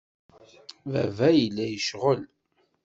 Baba yella yecɣel.